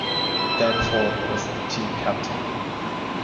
Dan Ford was the team captain.